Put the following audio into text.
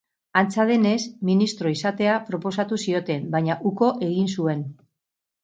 Antza denez, ministro izatea proposatu zioten, baina uko egin zuen.